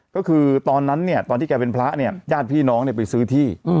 ก็คือตอนนั้นเนี่ยตอนที่แกเป็นพระเนี่ยญาติพี่น้องไปซื้อที่